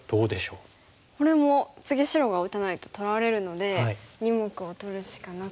これも次白が打たないと取られるので２目を取るしかなくて。